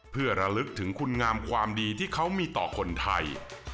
เพื่อระลึกถึงคุณงามความดีที่เขามีต่อคนไทย